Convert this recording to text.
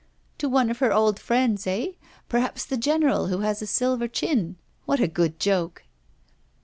'To one of her old friends, eh? perhaps the general who has a silver chin. What a good joke!